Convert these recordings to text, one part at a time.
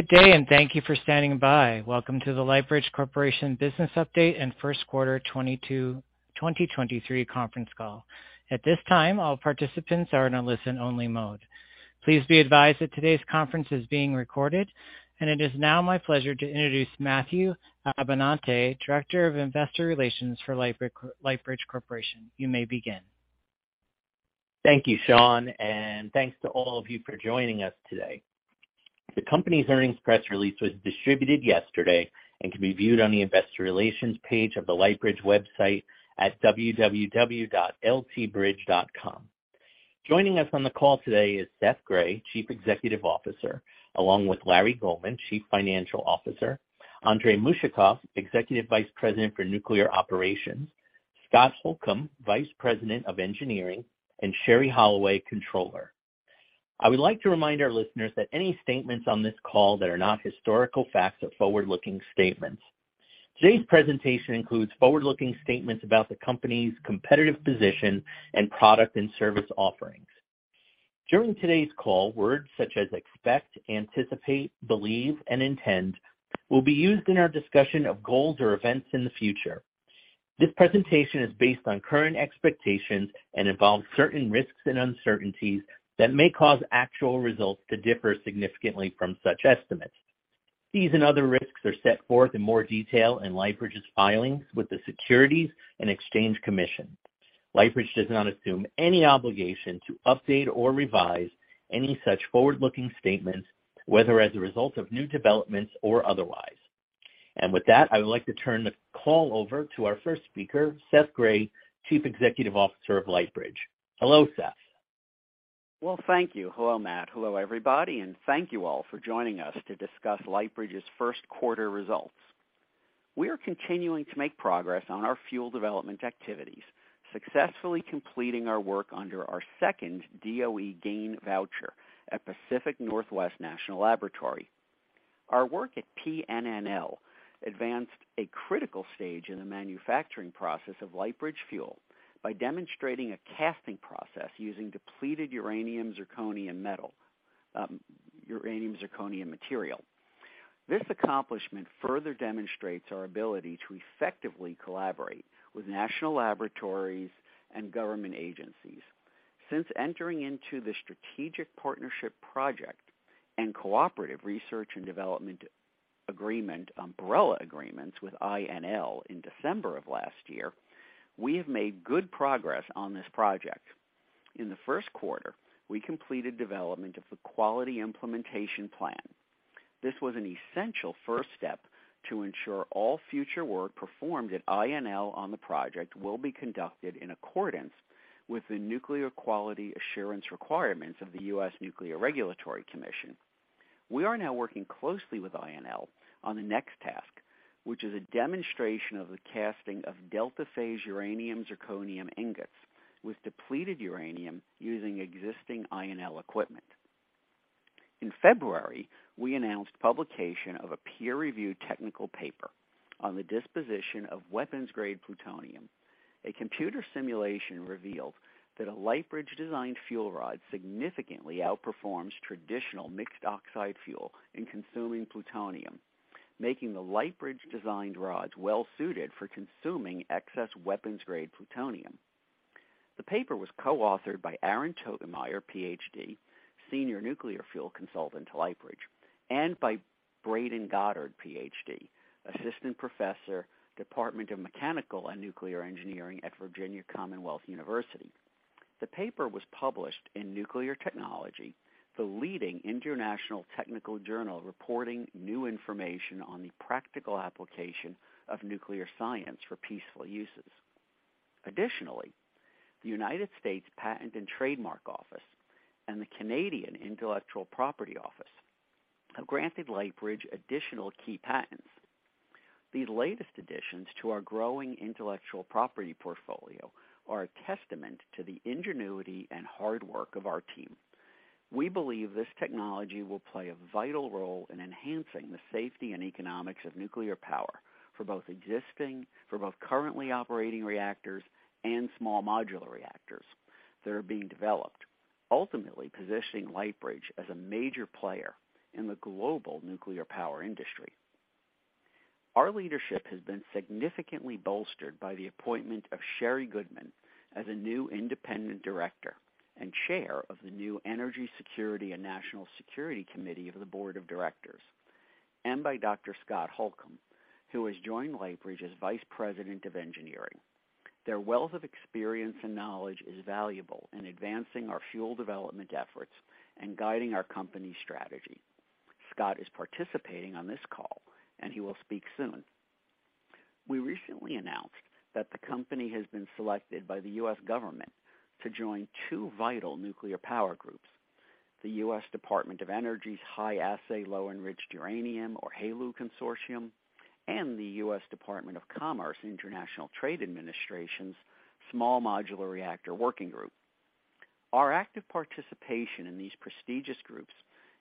Good day, thank you for standing by. Welcome to the Lightbridge Corporation Business Update and First Quarter 2023 conference call. At this time, all participants are in a listen-only mode. Please be advised that today's conference is being recorded, and it is now my pleasure to introduce Matthew Abenante, Director of Investor Relations for Lightbridge Corporation. You may begin. Thank you, Sean, and thanks to all of you for joining us today. The company's earnings press release was distributed yesterday and can be viewed on the Investor Relations page of the Lightbridge website at www.ltbridge.com. Joining us on the call today is Seth Grae, Chief Executive Officer, along with Larry Goldman, Chief Financial Officer, Andrey Mushakov, Executive Vice President for Nuclear Operations, Scott Holcombe, Vice President of Engineering, and Sherrie Holloway, Controller. I would like to remind our listeners that any statements on this call that are not historical facts are forward-looking statements. Today's presentation includes forward-looking statements about the company's competitive position and product and service offerings. During today's call, words such as expect, anticipate, believe, and intend will be used in our discussion of goals or events in the future. This presentation is based on current expectations and involves certain risks and uncertainties that may cause actual results to differ significantly from such estimates. These and other risks are set forth in more detail in Lightbridge's filings with the Securities and Exchange Commission. Lightbridge does not assume any obligation to update or revise any such forward-looking statements, whether as a result of new developments or otherwise. With that, I would like to turn the call over to our first speaker, Seth Grae, Chief Executive Officer of Lightbridge. Hello, Seth. Well, thank you. Hello, Matt. Hello, everybody, and thank you all for joining us to discuss Lightbridge's 1st quarter results. We are continuing to make progress on our fuel development activities, successfully completing our work under our second DOE GAIN voucher at Pacific Northwest National Laboratory. Our work at PNNL advanced a critical stage in the manufacturing process of Lightbridge Fuel by demonstrating a casting process using depleted uranium-zirconium material. This accomplishment further demonstrates our ability to effectively collaborate with national laboratories and government agencies. Since entering into the Strategic Partnership Project and Cooperative Research and Development Agreement Umbrella Agreements with INL in December of last year, we have made good progress on this project. In the first quarter, we completed development of the Quality Implementation Plan. This was an essential first step to ensure all future work performed at INL on the project will be conducted in accordance with the nuclear quality assurance requirements of the U.S. Nuclear Regulatory Commission. We are now working closely with INL on the next task, which is a demonstration of the casting of delta-phase uranium-zirconium ingots with depleted uranium using existing INL equipment. In February, we announced publication of a peer-reviewed technical paper on the disposition of weapons-grade plutonium. A computer simulation revealed that a Lightbridge-designed fuel rod significantly outperforms traditional mixed oxide fuel in consuming plutonium, making the Lightbridge-designed rods well suited for consuming excess weapons-grade plutonium. The paper was co-authored by Aaron Totemeier, PhD, Senior Nuclear Fuel Consultant to Lightbridge, and by Braden Goddard, PhD, Assistant Professor, Department of Mechanical and Nuclear Engineering at Virginia Commonwealth University. The paper was published in Nuclear Technology, the leading international technical journal reporting new information on the practical application of nuclear science for peaceful uses. The United States Patent and Trademark Office and the Canadian Intellectual Property Office have granted Lightbridge additional key patents. These latest additions to our growing intellectual property portfolio are a testament to the ingenuity and hard work of our team. We believe this technology will play a vital role in enhancing the safety and economics of nuclear power for both currently operating reactors and small modular reactors that are being developed, ultimately positioning Lightbridge as a major player in the global nuclear power industry. Our leadership has been significantly bolstered by the appointment of Sherri Goodman as a new independent director and chair of the new Energy Security and National Security Committee of the Board of Directors, and by Dr. Scott Holcombe, who has joined Lightbridge as Vice President of Engineering. Their wealth of experience and knowledge is valuable in advancing our fuel development efforts and guiding our company's strategy. Scott is participating on this call, and he will speak soon. We recently announced that the company has been selected by the U.S. government to join two vital nuclear power groups, the U.S. Department of Energy's High-Assay Low-Enriched Uranium or HALEU Consortium, and the U.S. Department of Commerce International Trade Administration's Small Modular Reactor Working Group. Our active participation in these prestigious groups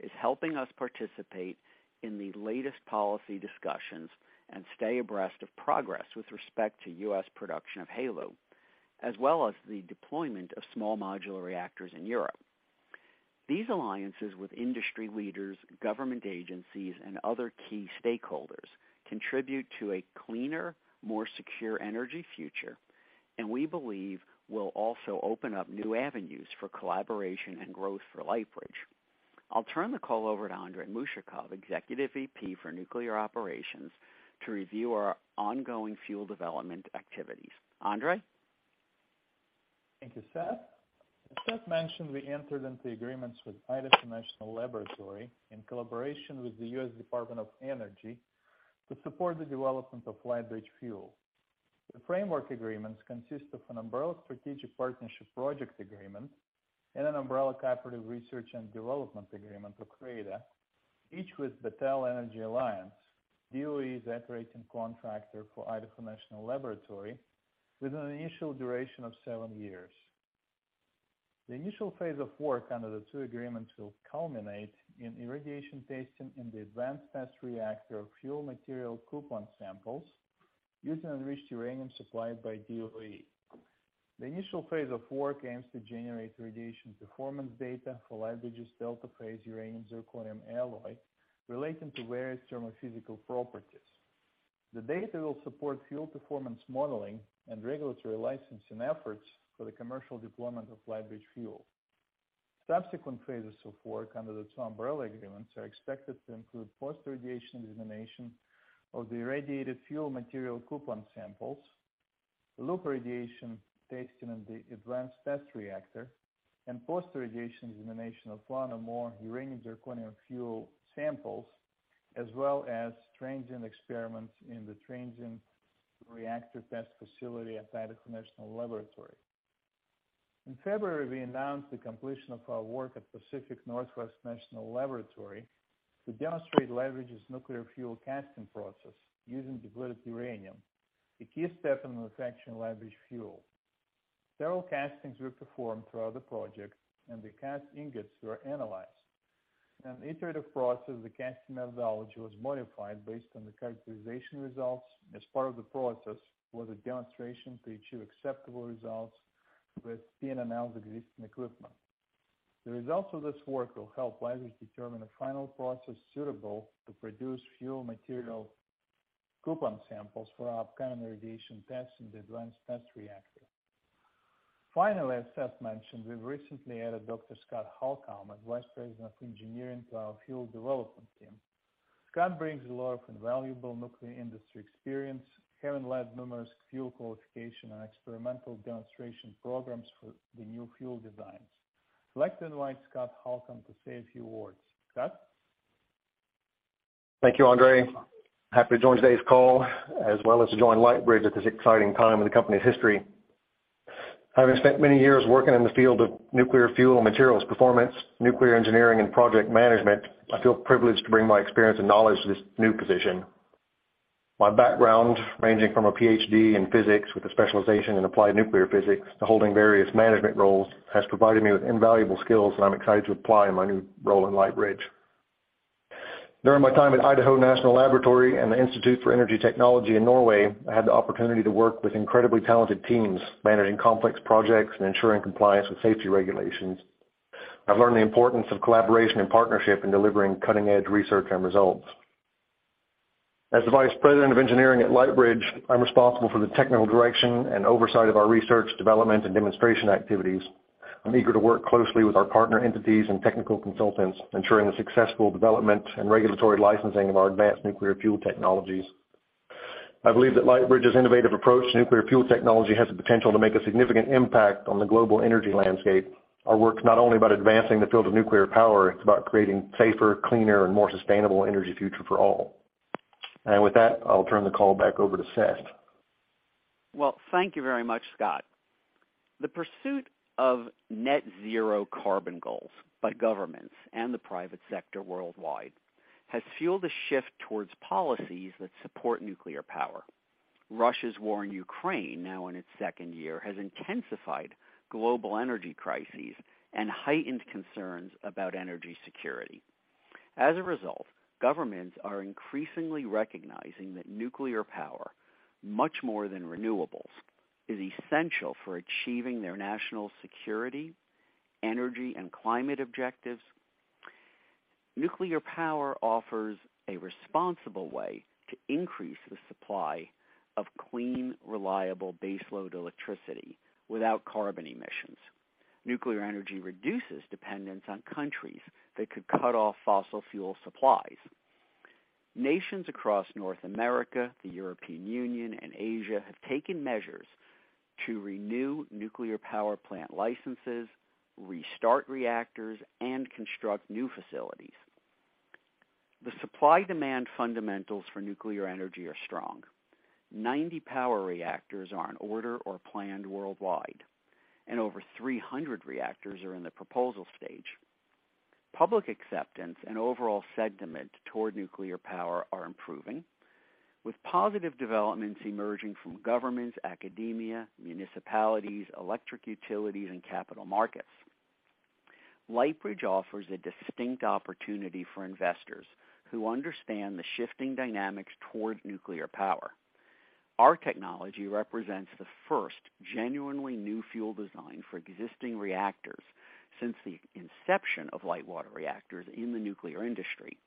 is helping us participate in the latest policy discussions and stay abreast of progress with respect to U.S. production of HALEU, as well as the deployment of small modular reactors in Europe. These alliances with industry leaders, government agencies, and other key stakeholders contribute to a cleaner, more secure energy future, and we believe will also open up new avenues for collaboration and growth for Lightbridge. I'll turn the call over to Andrey Mushakov, Executive VP for Nuclear Operations, to review our ongoing fuel development activities. Andrey? Thank you, Seth. As Seth mentioned, we entered into agreements with Idaho National Laboratory in collaboration with the U.S. Department of Energy to support the development of Lightbridge Fuel. The framework agreements consist of an umbrella Strategic Partnership Project Agreement and an umbrella Cooperative Research and Development Agreement, or CRADA, each with Battelle Energy Alliance, DOE's operating contractor for Idaho National Laboratory, with an initial duration of seven years. The initial phase of work under the two agreements will culminate in irradiation testing in the Advanced Test Reactor fuel material coupon samples using enriched uranium supplied by DOE. The initial phase of work aims to generate irradiation performance data for Lightbridge's delta-phase uranium-zirconium alloy relating to various thermophysical properties. The data will support fuel performance modeling and regulatory licensing efforts for the commercial deployment of Lightbridge Fuel. Subsequent phases of work under the two umbrella agreements are expected to include post-irradiation examination of the irradiated fuel material coupon samples, loop irradiation testing in the Advanced Test Reactor, and post-irradiation examination of one or more uranium zirconium fuel samples, as well as transient experiments in the Transient Reactor Test Facility at Idaho National Laboratory. In February, we announced the completion of our work at Pacific Northwest National Laboratory to demonstrate Lightbridge's nuclear fuel casting process using depleted uranium, a key step in manufacturing Lightbridge Fuel. Several castings were performed throughout the project, and the cast ingots were analyzed. In an iterative process, the casting methodology was modified based on the characterization results, as part of the process was a demonstration to achieve acceptable results with PNNL's existing equipment. The results of this work will help Lightbridge determine a final process suitable to produce fuel material coupon samples for our upcoming irradiation tests in the Advanced Test Reactor. Finally, as Seth mentioned, we've recently added Dr. Scott Holcombe as Vice President of Engineering to our fuel development team. Scott brings a lot of invaluable nuclear industry experience, having led numerous fuel qualification and experimental demonstration programs for the new fuel designs. I'd like to invite Scott Holcombe to say a few words. Scott? Thank you, Andrey. Happy to join today's call, as well as to join Lightbridge at this exciting time in the company's history. Having spent many years working in the field of nuclear fuel materials performance, nuclear engineering, and project management, I feel privileged to bring my experience and knowledge to this new position. My background, ranging from a PhD in physics with a specialization in applied nuclear physics to holding various management roles, has provided me with invaluable skills that I'm excited to apply in my new role in Lightbridge. During my time at Idaho National Laboratory and the Institute for Energy Technology in Norway, I had the opportunity to work with incredibly talented teams, managing complex projects and ensuring compliance with safety regulations. I've learned the importance of collaboration and partnership in delivering cutting-edge research and results. As the Vice President of Engineering at Lightbridge, I'm responsible for the technical direction and oversight of our research, development, and demonstration activities. I'm eager to work closely with our partner entities and technical consultants, ensuring the successful development and regulatory licensing of our advanced nuclear fuel technologies. I believe that Lightbridge's innovative approach to nuclear fuel technology has the potential to make a significant impact on the global energy landscape. Our work is not only about advancing the field of nuclear power, it's about creating safer, cleaner, and more sustainable energy future for all. With that, I'll turn the call back over to Seth. Well, thank you very much, Scott. The pursuit of net zero carbon goals by governments and the private sector worldwide has fueled a shift towards policies that support nuclear power. Russia's war in Ukraine, now in its second year, has intensified global energy crises and heightened concerns about energy security. As a result, governments are increasingly recognizing that nuclear power, much more than renewables, is essential for achieving their national security, energy, and climate objectives. Nuclear power offers a responsible way to increase the supply of clean, reliable baseload electricity without carbon emissions. Nuclear energy reduces dependence on countries that could cut off fossil fuel supplies. Nations across North America, the European Union, and Asia have taken measures to renew nuclear power plant licenses, restart reactors, and construct new facilities. The supply-demand fundamentals for nuclear energy are strong. 90 power reactors are on order or planned worldwide, and over 300 reactors are in the proposal stage. Public acceptance and overall sentiment toward nuclear power are improving, with positive developments emerging from governments, academia, municipalities, electric utilities, and capital markets. Lightbridge offers a distinct opportunity for investors who understand the shifting dynamics toward nuclear power. Our technology represents the first genuinely new fuel design for existing reactors since the inception of light water reactors in the nuclear industry.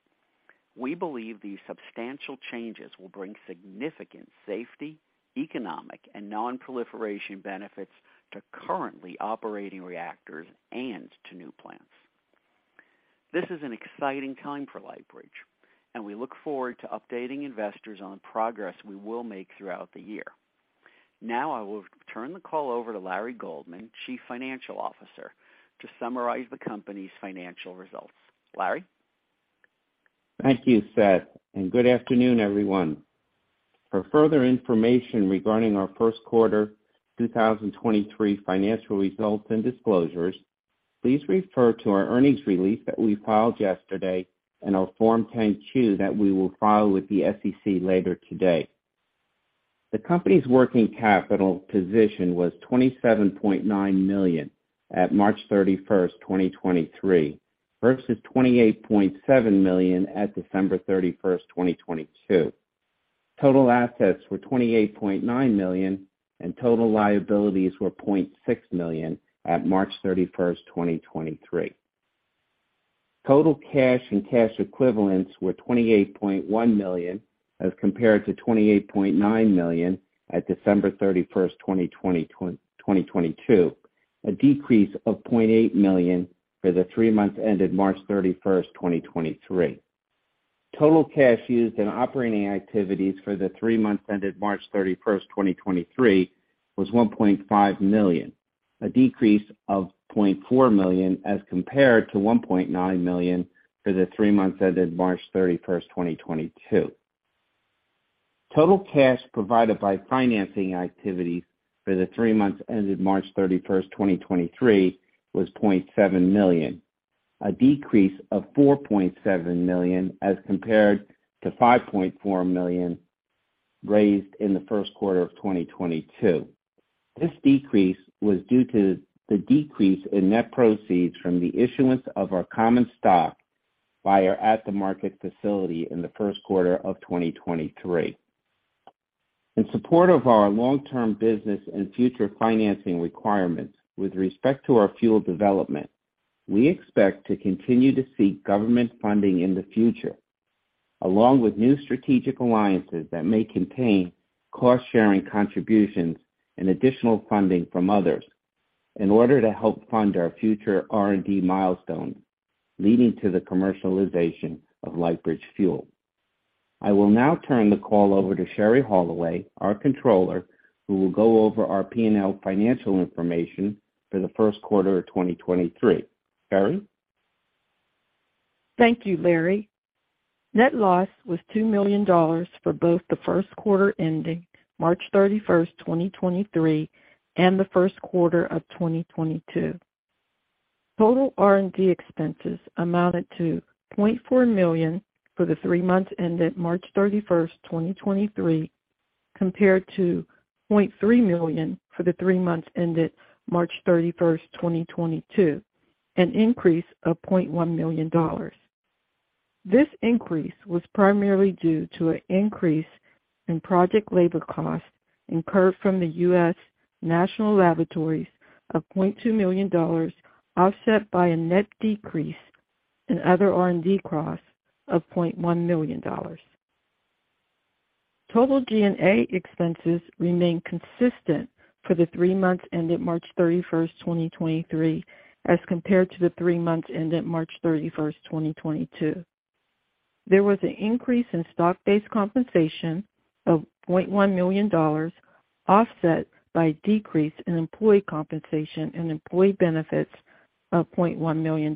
We believe these substantial changes will bring significant safety, economic, and non-proliferation benefits to currently operating reactors and to new plants. This is an exciting time for Lightbridge, and we look forward to updating investors on progress we will make throughout the year. Now I will turn the call over to Larry Goldman, Chief Financial Officer, to summarize the company's financial results. Larry? Thank you, Seth, and good afternoon, everyone. For further information regarding our first quarter 2023 financial results and disclosures, please refer to our earnings release that we filed yesterday and our Form 10-Q that we will file with the SEC later today. The company's working capital position was $27.9 million at March 31st, 2023, versus $28.7 million at December 31st, 2022. Total assets were $28.9 million, and total liabilities were $0.6 million at March 31st, 2023. Total cash and cash equivalents were $28.1 million as compared to $28.9 million at December 31st, 2022, a decrease of $0.8 million for the three months ended March 31st, 2023. Total cash used in operating activities for the three months ended March 31, 2023, was $1.5 million, a decrease of $0.4 million as compared to $1.9 million for the three months ended March 31st, 2022. Total cash provided by financing activities for the three months ended March 31st, 2023, was $0.7 million, a decrease of $4.7 million as compared to $5.4 million raised in the first quarter of 2022. This decrease was due to the decrease in net proceeds from the issuance of our common stock via at-the-market facility in the first quarter of 2023. In support of our long-term business and future financing requirements with respect to our fuel development, we expect to continue to seek government funding in the future, along with new strategic alliances that may contain cost-sharing contributions and additional funding from others in order to help fund our future R&D milestones, leading to the commercialization of Lightbridge Fuel. I will now turn the call over to Sherrie Holloway, our Controller, who will go over our P&L financial information for the first quarter of 2023. Sherrie? Thank you, Larry. Net loss was $2 million for both the first quarter ending March 31st, 2023, and the first quarter of 2022. Total R&D expenses amounted to $0.4 million for the three months ended March 31st, 2023, compared to $0.3 million for the three months ended March 31st, 2022, an increase of $0.1 million. This increase was primarily due to an increase in project labor costs incurred from the U.S. National Laboratories of $0.2 million, offset by a net decrease in other R&D costs of $0.1 million. Total G&A expenses remained consistent for the three months ended March 31st, 2023, as compared to the three months ended March 31st, 2022. There was an increase in stock-based compensation of $0.1 million, offset by a decrease in employee compensation and employee benefits of $0.1 million.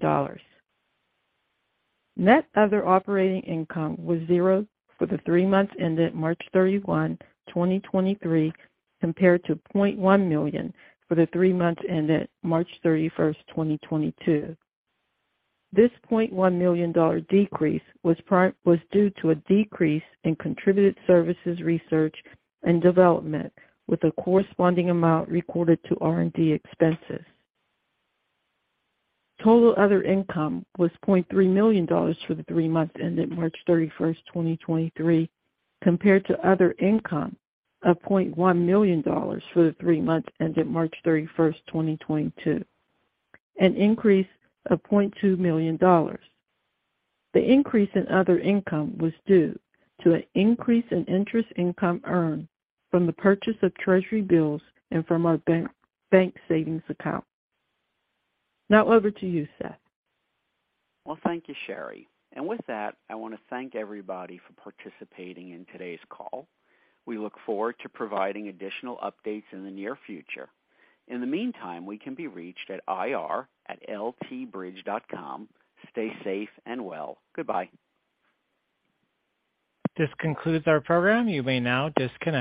Net other operating income was $0 for the three months ended March 31, 2023, compared to $0.1 million for the three months ended March 31st, 2022. This $0.1 million decrease was due to a decrease in contributed services, research, and development, with a corresponding amount recorded to R&D expenses. Total other income was $0.3 million for the three months ended March 31st, 2023, compared to other income of $0.1 million for the three months ended March 31st, 2022, an increase of $0.2 million. The increase in other income was due to an increase in interest income earned from the purchase of treasury bills and from our bank savings account. Now over to you, Seth. Well, thank you, Sherrie. With that, I wanna thank everybody for participating in today's call. We look forward to providing additional updates in the near future. In the meantime, we can be reached at ir@ltbridge.com. Stay safe and well. Goodbye. This concludes our program. You may now disconnect.